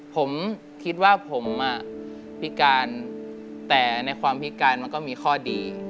ผมคิดว่าผมพิการแต่ในความพิการมันก็มีข้อดี